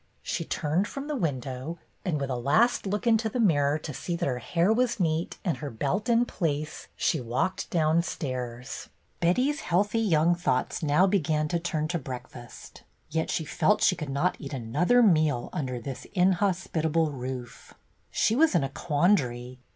She turned from the window, and with a last look into the mirror to see that her hair was neat and her belt in place, she walked down stairs. Betty's healthy young thoughts now began to turn to breakfast, yet she felt she could not eat another meal under this inhospitable roof. She was in a quandary.